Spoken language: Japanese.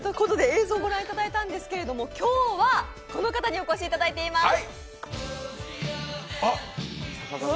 映像をご覧いただいたんですが今日はこの方にお越しいただいています。